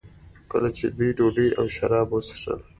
کله چې دوی ډوډۍ او شراب وڅښل.